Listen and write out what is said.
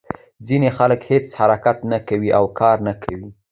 ځینې خلک هېڅ حرکت نه کوي او کار نه کوي.